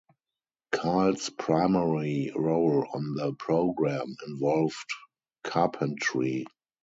Kyle's primary role on the program involved carpentry.